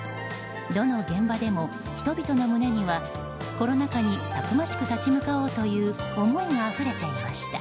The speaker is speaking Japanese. どの現場でも、人々の胸にはコロナ禍にたくましく立ち向かおうという思いがあふれていました。